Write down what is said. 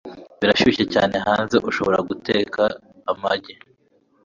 Birashyushye cyane hanze, ushobora guteka amagi.